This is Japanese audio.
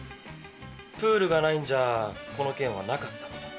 プールがないんじゃこの件はなかったことに。